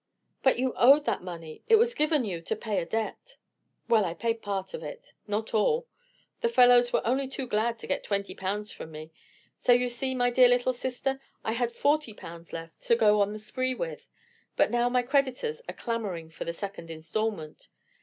"But you owed that money; it was given you to pay a debt." "Well, I paid part of it—not all. The fellows were only too glad to get twenty pounds from me; so you see, my dear little sister, I had forty pounds left to go on the spree with. But now my creditors are clamoring for the second instalment.